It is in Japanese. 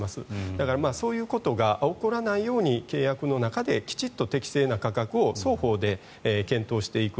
だからそういうことが起こらないように契約の中できちんと適正な価格を双方で検討していく。